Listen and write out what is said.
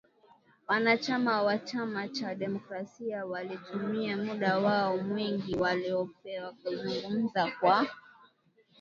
Wanachama wa chama cha Demokrasia walitumia muda wao mwingi waliopewa kuzungumza kwa